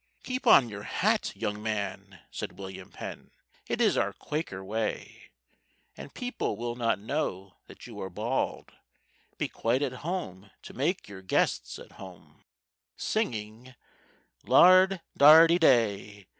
"Keep on your hat, young man!" said William Penn, "It is our Quaker way; And people will not know that you are bald; Be quite at home to make your guests at home— Singing Lard dardy day!